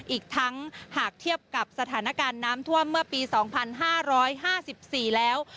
อีกทั้งหากเทียบกับสถานการณ์น้ำท่วมเมื่อปี๒๕๕๔แล้ว